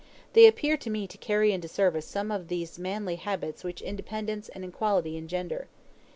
They appear to me to carry into service some of those manly habits which independence and equality engender.